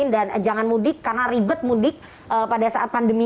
dan jangan mudik karena ribet mudik pada saat pandemi ini